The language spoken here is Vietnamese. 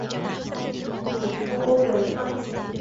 Khỉ cô ôm lấy Quân